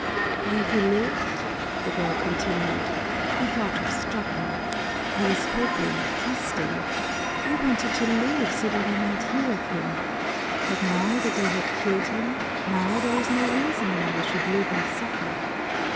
"While he lived," the girl continued, "I thought of struggling, I was hoping, trusting! I wanted to live so that I might hear of him, but now that they have killed him, now there is no reason why I should live and suffer."